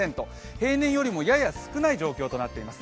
平年よりもやや少ない状況となっています。